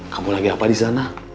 kamu lagi apa di sana